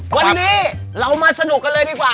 วันนี้เรามาสนุกกันเลยดีกว่า